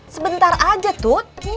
sebentar aja tut